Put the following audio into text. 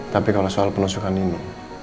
tapi kalau soal pelusukan nino